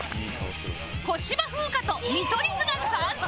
小芝風花と見取り図が参戦